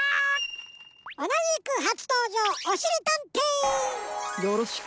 おなじくはつとうじょうおしりたんてい！